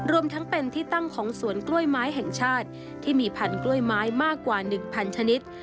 รวมทั้งเป็นที่ตั้งของสวนกล้วยไม้แห่งชาติที่มีพันกล้วยไม้มากกว่า๑๐๐ชนิด